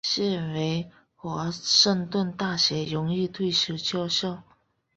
现为华盛顿大学荣誉退休教授。